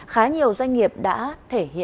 còn với sản phẩm của tôi